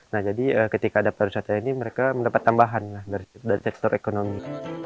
nah jadi ketika ada pariwisata ini mereka mendapat tambahan dari sektor ekonomi